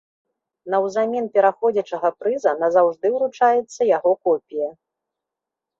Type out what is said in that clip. Наўзамен пераходзячага прыза назаўжды ўручаецца яго копія.